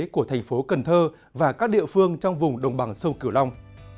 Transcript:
của thành phố cần thơ và các địa phương trong vùng đồng bằng sông cửu long